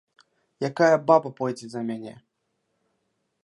Якая баба пойдзе за мяне?